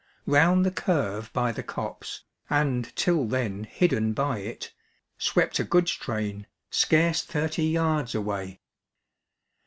Round the curve by the copse, and till then hidden by it, swept a goods train, scarce thirty yards away.